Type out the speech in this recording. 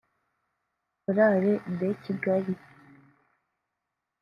Chorale de Kigali